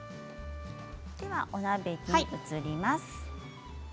お鍋に移ります。